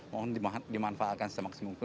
mohon dimanfaatkan semaksimum